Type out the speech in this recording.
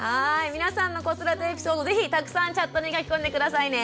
皆さんの子育てエピソード是非たくさんチャットに書き込んで下さいね。